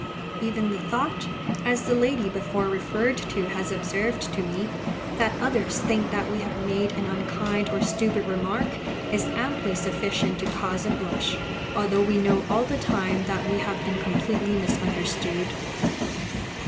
Even the thought, as the lady before referred to has observed to me, that others think that we have made an unkind or stupid remark, is amply sufficient to cause a blush, although we know all the time that we have been completely misunderstood.